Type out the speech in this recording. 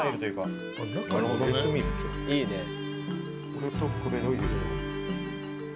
「いいね」